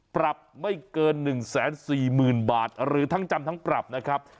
ปรับไม่เกิน๑๔๐๐๐บาทหรือทั้งจำทั้งปรับนะครับ